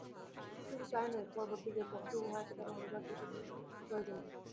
শুধু তাই নয়, প্রবর্তকদিগের পক্ষে উহা একেবারে অনিবার্যরূপে প্রয়োজনীয়।